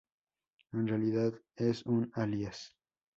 En realidad es un alias.